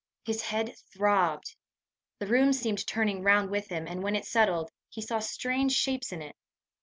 His head throbbed; the room seemed turning round with him, and when it settled, he saw strange shapes in it.